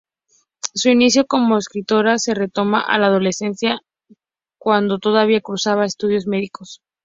Su inicio como escritora se remonta a la adolescencia, cuando todavía cursaba estudios medios.